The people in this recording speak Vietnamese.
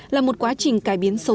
là một quá trình cải biến sâu